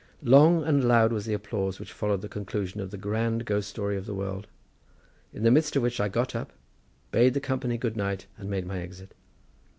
Long and loud was the applause which followed the conclusion of the grand ghost story of the world, in the midst of which I got up, bade the company good night, and made my exit.